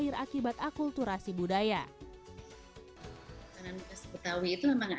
hai berhasil menambahkan kembang tebu dan menambahkan kembang tebu dan menambahkan kembang tebu